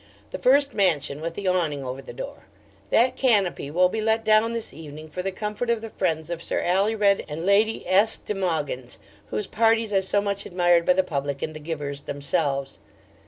The first mansion with the awning over the door: that canopy will be let down this evening for the comfort of the friends of Sir Alured and Lady S. de Mogyns, whose parties are so much admired by the public, and the givers themselves.